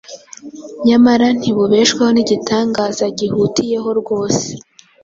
nyamara ntibubeshwaho n’igitangaza gihutiyeho rwose